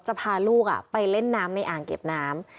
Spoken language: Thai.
พาลูกไปเล่นน้ำในอ่างเก็บน้ำ